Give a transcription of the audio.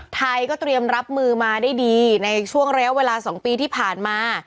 ไทยก็เตรียมรับมือมาได้ดีในช่วงระยะเวลา๒ปีที่ผ่านมา